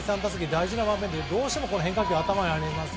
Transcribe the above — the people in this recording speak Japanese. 大事な場面でどうしても変化球が頭にあります。